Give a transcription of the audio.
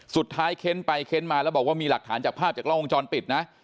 เค้นไปเค้นมาแล้วบอกว่ามีหลักฐานจากภาพจากล้องวงจรปิดนะ